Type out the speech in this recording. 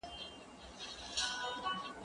دا کالي له هغو پاک دي!؟